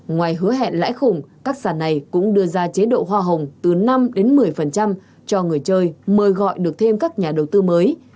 ngoài hứa hẹn lãi khủng các sản này cũng đưa ra chế độ hoa hồng từ năm đến một mươi cho người chơi mời gọi được thêm các nhà đầu tư mới